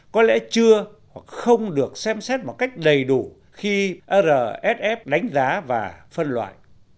có lẽ chưa hoặc không được xem xét một cách đầy đủ khi rsf đánh giá và phân loại